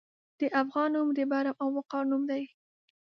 د افغان نوم د برم او وقار نوم دی.